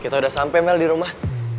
kita udah sampai mel di rumah